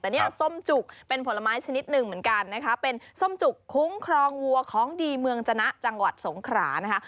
แต่นี่เราส้มจุกเป็นผลไม้ชนิดหนึ่งเหมือนกันนะคะเป็นส้มจุกคุ้มครองวัวของดีเมืองจนะจังหวัดสงขรานะคะ